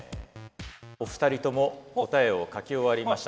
お二人とも答えを書き終わりました。